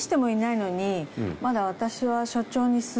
まだ私は。